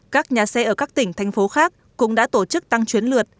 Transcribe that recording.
các nhà xe ở các tỉnh thành phố khác cũng đã tổ chức tăng chuyến lượt